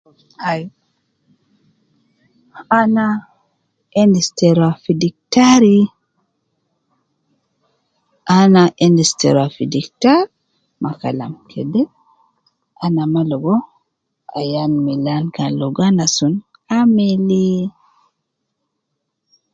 Ai ana endis te ruwa fi diktari, ana endis te ruwa fi diktari makalam kede ana maa ligo ayan milan kan logo ana sun, amilii.